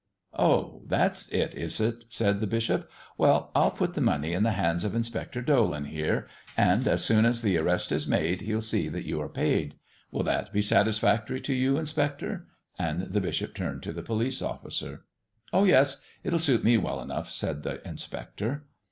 "Oh, that's it, is it?" said the bishop. "Well, I'll put the money in the hands of Inspector Dolan here, and as soon as the arrest is made he'll see that you are paid. Will that be satisfactory to you, inspector?" and the bishop turned to the police officer. "Oh yes; it'll suit me well enough," said the inspector.